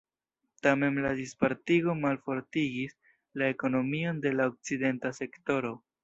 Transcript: Tamen la dispartigo malfortigis la ekonomion de la okcidenta sektoro.